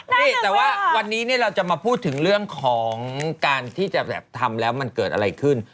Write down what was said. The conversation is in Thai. นี่แต่ว่าวันนี้เราจะมาพูดถึงเรื่องของการที่จะแบบทำแล้วมันเกิดอะไรขึ้น